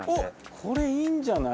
これいいんじゃない？